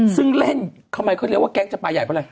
ซึ่งเล่นทำไมเขาเรียกว่าแก๊งจะปลาใหญ่เพราะอะไร